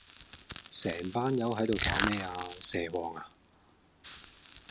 成班友喺度搞咩呀？蛇王呀？